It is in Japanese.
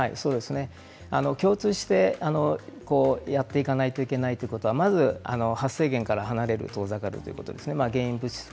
共通してやっていかないといけないということは、まず発生源から離れる遠ざかるということです。